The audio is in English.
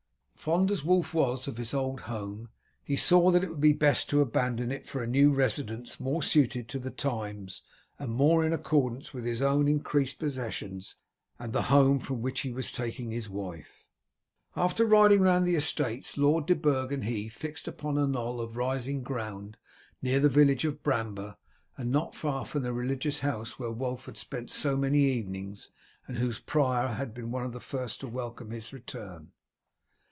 Fond as Wulf was of his old home he saw that it would be best to abandon it for a new residence more suited to the times and more in accordance with his own increased possessions and the home from which he was taking his wife. After riding round the estates Lord de Burg and he fixed upon a knoll of rising ground near the village of Bramber, and not far from the religious house where Wulf had spent so many evenings, and whose prior had been one of the first to welcome his return.